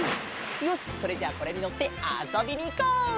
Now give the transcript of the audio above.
よしそれじゃあこれにのってあそびにいこう！